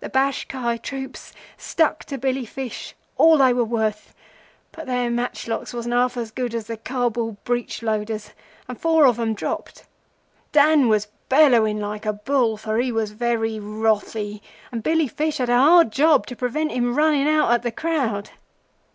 The Bashkai troops stuck to Billy Fish all they were worth, but their matchlocks wasn't half as good as the Kabul breech loaders, and four of them dropped. Dan was bellowing like a bull, for he was very wrathy; and Billy Fish had a hard job to prevent him running out at the crowd.